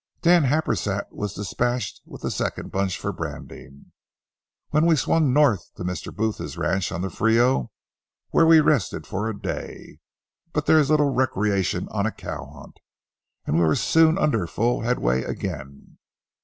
Dan Happersett was dispatched with the second bunch for branding, when we swung north to Mr. Booth's ranch on the Frio, where we rested a day. But there is little recreation on a cow hunt, and we were soon under full headway again.